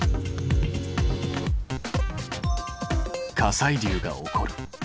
火砕流が起こる。